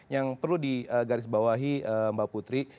yang perlu di garis bawahi mbak putri